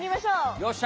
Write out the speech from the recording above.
よっしゃ！